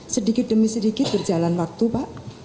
sedikit demi sedikit berjalan waktu pak